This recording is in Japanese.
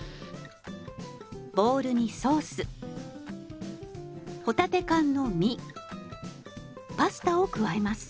ボウルにソース帆立て缶の身パスタを加えます。